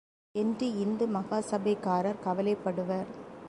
என்று இந்து மகாசபைக்காரர் கவலைப்படுவர்.